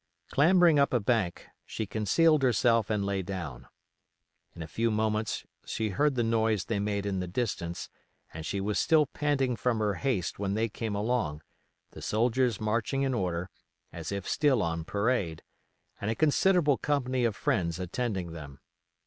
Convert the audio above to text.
Clambering up a bank, she concealed herself and lay down. In a few moments she heard the noise they made in the distance, and she was still panting from her haste when they came along, the soldiers marching in order, as if still on parade, and a considerable company of friends attending them.